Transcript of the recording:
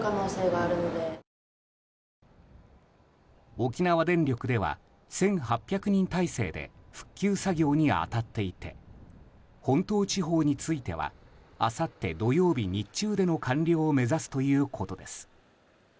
沖縄電力では１８００人態勢で復旧作業に当たっていて本島地方についてはあさって土曜日日中での完了を目指すということです。